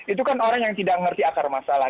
itu kan orang yang tidak mengerti akar masalah